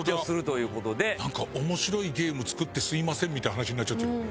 なんか面白いゲーム作ってすみませんみたいな話になっちゃってるよね。